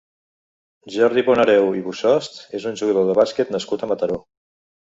Jordi Bonareu i Bussot és un jugador de basquet nascut a Mataró.